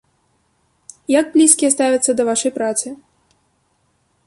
Як блізкія ставяцца да вашай працы?